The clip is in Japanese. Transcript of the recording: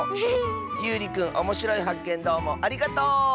ゆうりくんおもしろいはっけんどうもありがとう！